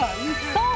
そう！